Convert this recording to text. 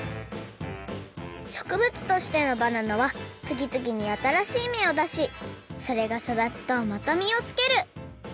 しょくぶつとしてのバナナはつぎつぎにあたらしいめをだしそれがそだつとまたみをつける。